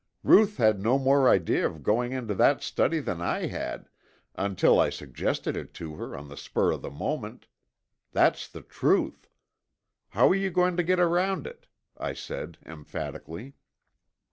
Ruth had no more idea of going into that study than I had, until I suggested it to her on the spur of the moment. That's the truth. How are you going to get around it?" I said emphatically.